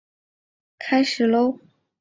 今天活动开始啰！